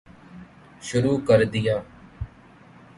شروع کردیا